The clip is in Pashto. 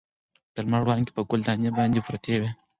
د لمر وړانګې په ګل دانۍ باندې پرتې وې.